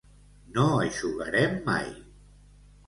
No eixugarem mai.